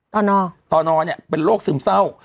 ต่อนอนเนี่ยเป็นโรคซึมเศร้า